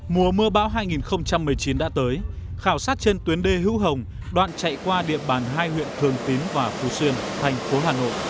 mùa mưa bão hai nghìn một mươi chín đã tới khảo sát trên tuyến đê hữu hồng đoạn chạy qua địa bàn hai huyện thường tín và phú xuyên thành phố hà nội